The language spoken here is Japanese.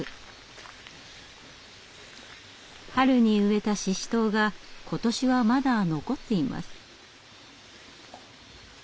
春に植えたシシトウが今年はまだ残っています。